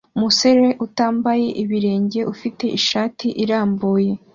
Umusore utambaye ibirenge ufite ishati irambuye